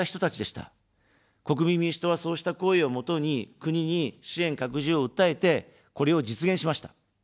国民民主党は、そうした声をもとに国に支援拡充を訴えて、これを実現しました。